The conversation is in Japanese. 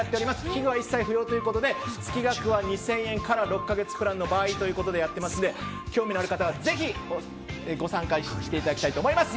器具は一切不要ということで月額は２０００円から６か月プランの場合ということでやっていますので興味のある方はぜひご参加していただきたいと思います。